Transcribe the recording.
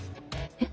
えっ？